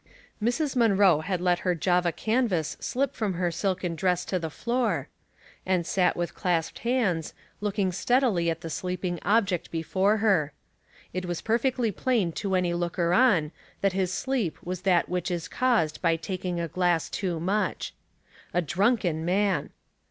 Mrs. Munroe had let her Java canvas slip from her silken dress to the floor, and sat with clasped hands, looking steadily at the sleeping object before her. It was perfectly plain to any looker on that his sleep was that which is caused by taking a glass too much. A drunken man